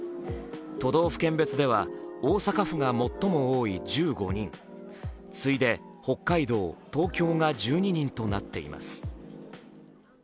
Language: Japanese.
都道府県別では大阪府が最も多い１５人、次いで北海道、東京が１２人となっています。